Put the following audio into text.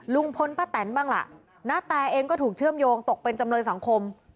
ลุงพลป้าแตนบ้างล่ะณแตเองก็ถูกเชื่อมโยงตกเป็นจำเลยสังคม